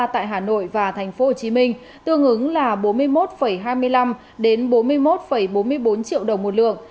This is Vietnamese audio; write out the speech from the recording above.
tại hà nội và tp hcm tương ứng là bốn mươi một hai mươi năm bốn mươi một bốn mươi bốn triệu đồng một lượng